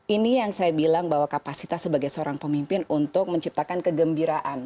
ini yang saya bilang bahwa kapasitas sebagai seorang pemimpin untuk menciptakan kegembiraan